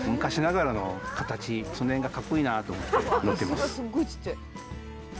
椅子がすごいちっちゃい。